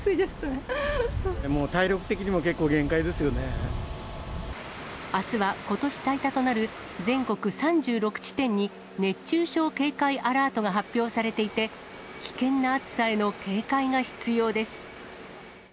もう体力的にも、結構限界であすは、ことし最多となる、全国３６地点に熱中症警戒アラートが発表されていて、危険な暑さへの警戒が必要です。